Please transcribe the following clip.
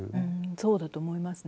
そうだと思いますね。